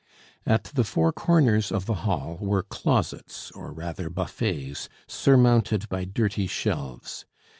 At the four corners of the hall were closets, or rather buffets, surmounted by dirty shelves.